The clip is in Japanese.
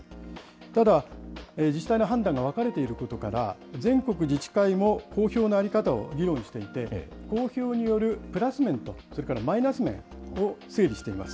ただ、自治体の判断が分かれていることから、全国自治会も、公表の在り方を議論していて、公表によるプラス面と、それからマイナス面を整理しています。